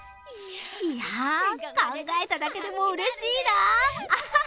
いやぁ、考えただけでもうれしいなー。